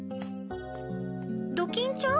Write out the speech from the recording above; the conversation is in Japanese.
ドキンちゃん？